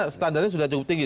standarnya sudah cukup tinggi